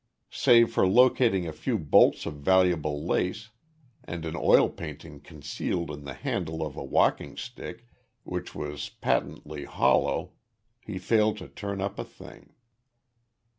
Save for locating a few bolts of valuable lace and an oil painting concealed in the handle of a walking stick which was patently hollow, he failed to turn up a thing.